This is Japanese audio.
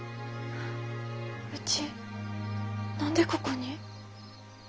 うち何でここに？